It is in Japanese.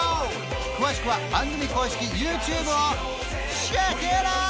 詳しくは番組公式ＹｏｕＴｕｂｅをＣｈｅｃｋｉｔｏｕｔ！